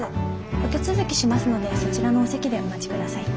お手続きしますのでそちらのお席でお待ちください。